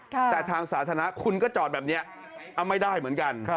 แต่ทางสาธารณะคุณก็จอดแบบนี้ไม่ได้เหมือนกัน